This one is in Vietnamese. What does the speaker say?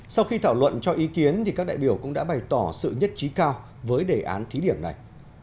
sau khi thảo luận cho ý kiến các đại biểu cũng đã bày tỏ sự nhất trí cao với đề án thí điểm này